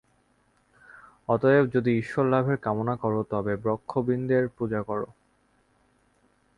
অতএব যদি ঈশ্বরলাভের কামনা কর, তবে ব্রহ্মবিদের পূজা কর।